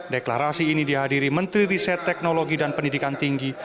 deklarasi ini dihadiri menteri riset teknologi dan pendidikan tinggi